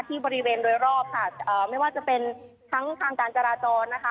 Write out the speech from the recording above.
บริเวณโดยรอบค่ะไม่ว่าจะเป็นทั้งทางการจราจรนะคะ